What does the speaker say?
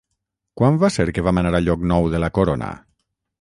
Quan va ser que vam anar a Llocnou de la Corona?